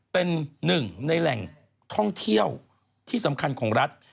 เป็นหนึ่งในแหล่งท่องเที่ยวที่สำคัญของรัฐ